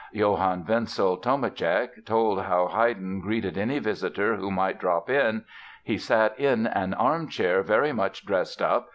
Johann Wenzel Tomaschek told how Haydn greeted any visitor who might drop in: "He sat in an armchair, very much dressed up.